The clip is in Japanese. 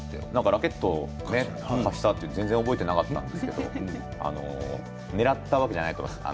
ラケットを貸したって全然覚えていなかったんですけれど、狙ったわけじゃないと思います。